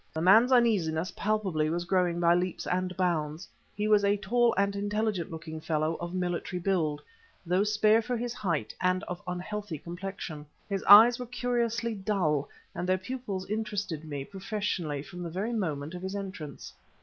The man's uneasiness palpably was growing by leaps and bounds. He was a tall and intelligent looking fellow of military build, though spare for his height and of an unhealthy complexion. His eyes were curiously dull, and their pupils interested me, professionally, from the very moment of his entrance.